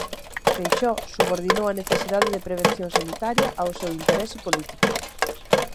Feixóo subordinou a necesidade de prevención sanitaria ao seu interese político.